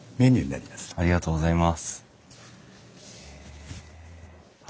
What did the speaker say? ありがとうございます。